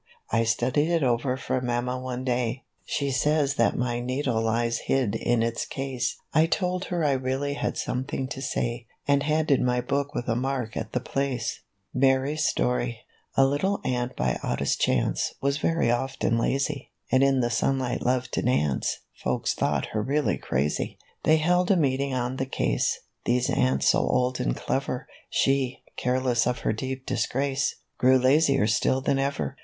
44 1 studied it over for Mamma one day; She says that my needle lies hid in its case ; I told her I really had something to say, And handed my book with a mark at the place." A RUN ON THE BEACH. 31 MARY'S STORY. A little Ant by oddest chance, Was very often lazy, And in the sunlight loved to dance; Folks thought her really crazy. They held a meeting on the case, These ants so old and clever; She, careless of her deep disgrace, Grew lazier still than ever.